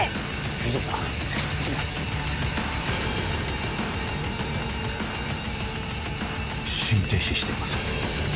泉さん泉さん心停止しています